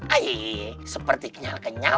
aih seperti kenyal kenyal